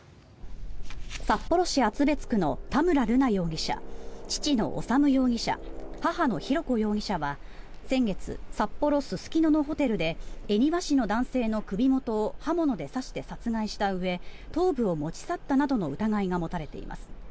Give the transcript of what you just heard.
札幌市厚別区の田村瑠奈容疑者父の修容疑者、母の浩子容疑者は先月札幌・すすきののホテルで恵庭市の男性の首元を刃物で刺して殺害したうえ頭部を持ち去ったなどの疑いが持たれています。